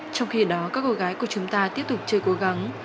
trong khi đó các cô gái của chúng ta tiếp tục chơi cố gắng